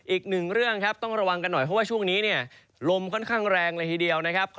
อีกหนึ่งเรื่องครับต้องระวังกันหน่อยเพราะว่าช่วงนี้เนี่ยลมค่อนข้างแรงเลยทีเดียวนะครับ